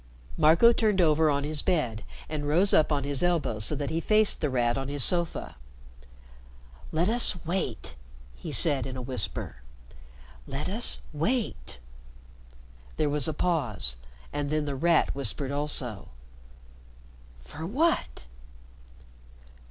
Marco turned over on his bed and rose up on his elbow so that he faced The Rat on his sofa. "Let us wait," he said in a whisper. "Let us wait." There was a pause, and then The Rat whispered also. "For what?"